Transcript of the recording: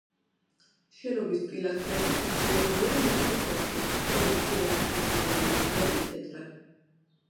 შენობის პილასტრები შესრულებულია ლურჯ ფერში, ხოლო მცირე არქიტექტურული დეტალები თეთრად.